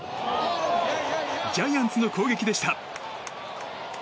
ジャイアンツの攻撃でした。